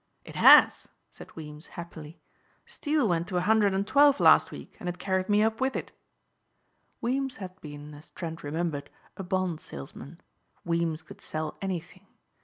"It has," said Weems happily. "Steel went to a hundred and twelve last week and it carried me up with it." Weems had been, as Trent remembered, a bond salesman. Weems could sell anything.